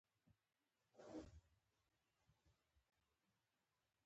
د فراغت تحصیلي سند باید ولري.